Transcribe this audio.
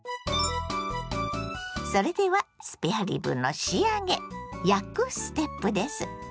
それではスペアリブの仕上げ「焼く」ステップです。